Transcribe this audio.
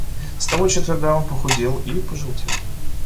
С того четверга он похудел и пожелтел.